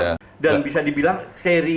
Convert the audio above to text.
benar dan bisa dibilang seri yang